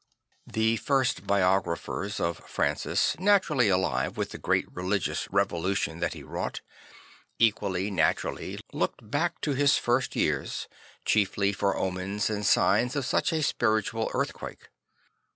The first biographers of Francis, naturally alive with the great religious revolution that he wrought, equally naturally looked back to his first years chiefly for omens and signs of such a spiritual earthquake.